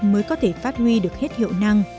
mới có thể phát huy được hết hiệu năng